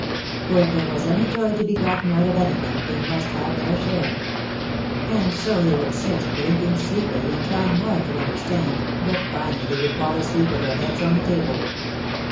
For if there was any joy to be gotten out of anything they must have their share. And so they would sit blinking sleepily and try ing hard to understand but finally they would fall asleep with their heads on the table.